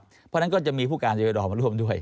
เพราะฉะนั้นก็จะมีผู้การจำหน่วยด้วย